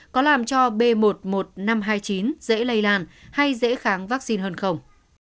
có làm cho b một mươi một nghìn năm trăm hai mươi chín dễ lây lan hay dễ kháng vaccine hơn không